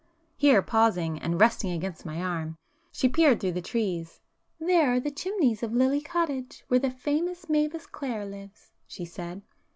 Here pausing, and resting against my arm, she peered through the trees. "There are the chimneys of Lily Cottage where the famous Mavis Clare lives," she said.